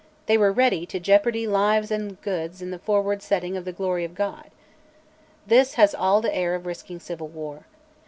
They were ready "to jeopardy lives and goods in the forward setting of the glory of God." This has all the air of risking civil war.